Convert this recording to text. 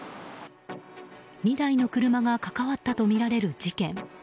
２台の車が関わったとみられる事件。